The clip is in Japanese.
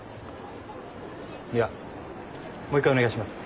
いやもう一回お願いします。